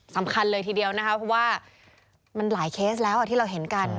สำคัญเลยทีเดียวนะคะเพราะว่ามันหลายเคสแล้วที่เราเห็นกัน